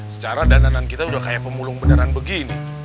secara dananan kita udah kayak pemulung beneran begini